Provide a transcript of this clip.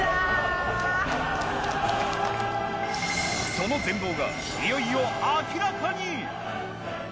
その全貌がいよいよ明らかに！